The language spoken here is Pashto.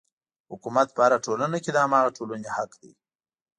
حکومت په هره ټولنه کې د هماغې ټولنې حق دی.